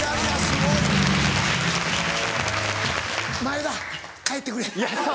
前田帰ってくれ。